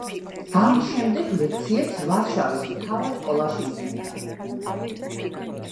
ამის შემდეგ ლექციებს ვარშავის მთავარ სკოლაში ისმენდა.